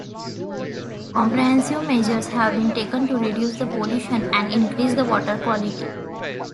Comprehensive measures have been taken to reduce the pollution and increase the water quality.